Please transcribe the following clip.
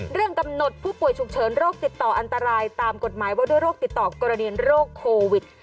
กำหนดผู้ป่วยฉุกเฉินโรคติดต่ออันตรายตามกฎหมายว่าด้วยโรคติดต่อกรณีโรคโควิด